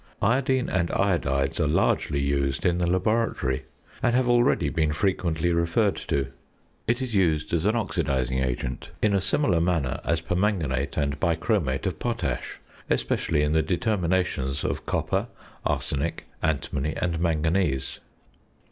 Iodine and Iodides are largely used in the laboratory, and have already been frequently referred to. It is used as an oxidising agent in a similar manner as permanganate and bichromate of potash, especially in the determinations of copper, arsenic, antimony, and manganese.